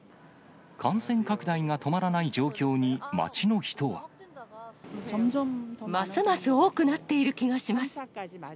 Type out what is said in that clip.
感染拡大が止まらない状況に、ますます多くなっている気がします。